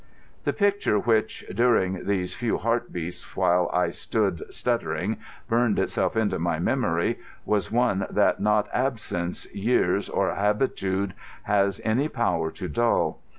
The picture which, during those few heart beats while I stood stuttering, burned itself into my memory was one that not absence, years, or habitude has any power to dull.